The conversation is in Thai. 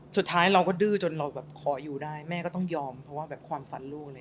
สุดท้ายเราก็ดื้อจนเราแบบขออยู่ได้แม่ก็ต้องยอมเพราะว่าแบบความฝันลูกเลย